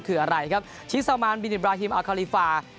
คืออะไรครับชีวิตสามารณบินอิบราฮิมอัลคาลีฟา